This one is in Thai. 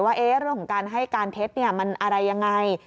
ว่าเรื่องของการให้การเท็จมันอะไรยังไง